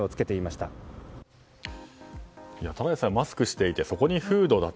ただでさえマスクをしていてそこにフード、だて